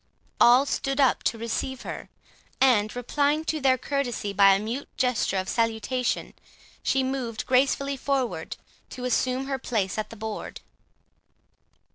All stood up to receive her; and, replying to their courtesy by a mute gesture of salutation, she moved gracefully forward to assume her place at the board.